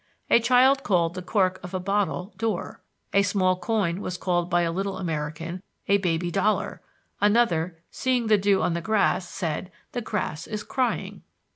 A child called the cork of a bottle "door;" a small coin was called by a little American a "baby dollar;" another, seeing the dew on the grass, said, "The grass is crying."